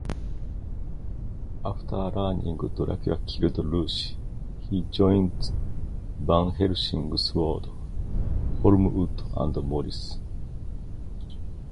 After learning Dracula killed Lucy, he joins Van Helsing, Seward, Holmwood, and Morris.